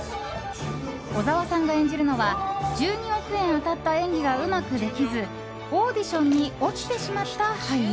小澤さんが演じるのは１２億円当たった演技がうまくできず、オーディションに落ちてしまった俳優。